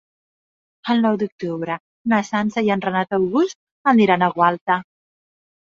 El nou d'octubre na Sança i en Renat August aniran a Gualta.